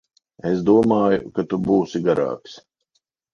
Es domāju, ka tu būsi garāks.